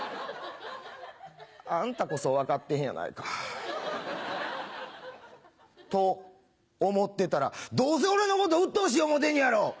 あんたこそ分かってへんやないか。と思ってたら「どうせ俺のことうっとうしい思うてんねやろ！」。